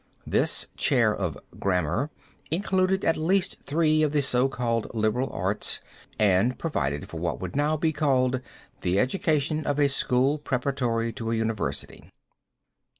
This Chair of Grammar included at least three of the so called liberal arts and provided for what would now be called, the education of a school preparatory to a university.